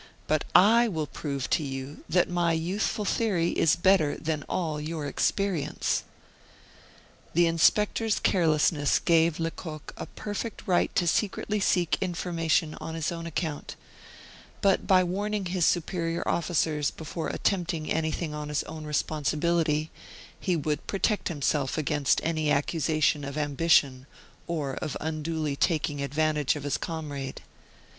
But I will prove to you that my youthful theory is better than all your experience." The inspector's carelessness gave Lecoq a perfect right to secretly seek information on his own account; but by warning his superior officers before attempting anything on his own responsibility, he would protect himself against any accusation of ambition or of unduly taking advantage of his comrade.